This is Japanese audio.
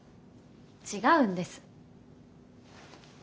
違うんです。